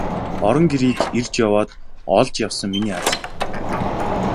Орон гэрийг эрж яваад олж явсан миний аз.